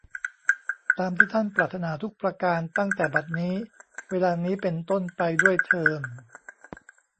ตามที่ท่านปรารถนาทุกประการตั้งแต่บัดนี้ เวลานี้เป็นต้นไปด้วยเทอญ